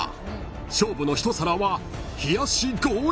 ［勝負の一皿は］